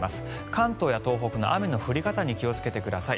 関東や東北の雨の降り方に気をつけてください。